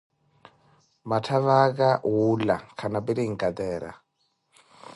Matthavaka wuula khana pirinkatera